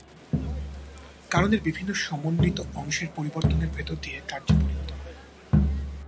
কারণের বিভিন্ন সমন্বিত অংশ পরিবর্তনের ভিতর দিয়া কার্যে পরিণত হয়।